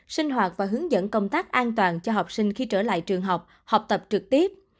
sinh hoạt và hướng dẫn công tác an toàn cho học sinh khi trở lại trường học học tập trực tiếp